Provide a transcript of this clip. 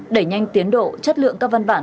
đẩy nhanh tiến độ chất lượng các văn bản